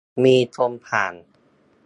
มีคนผ่าน